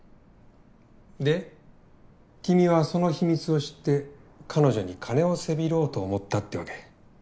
で君はその秘密を知って彼女に金をせびろうと思ったってわけ？